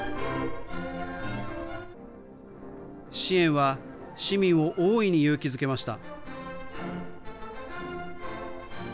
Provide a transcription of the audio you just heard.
支援は市民を大いに勇気づけました。